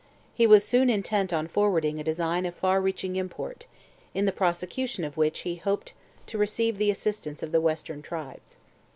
He was soon intent on forwarding a design of far reaching import, in the prosecution of which he hoped to receive the assistance of the western tribes.